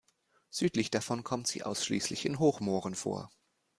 Südlich davon kommt sie ausschließlich in Hochmooren vor.